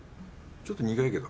ちょっと苦いけど。